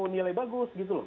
nilai bagus gitu loh